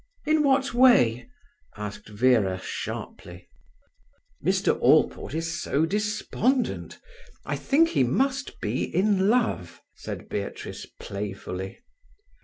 "In what way?" asked Vera sharply. "Mr. Allport is so despondent. I think he must be in love," said Beatrice playfully.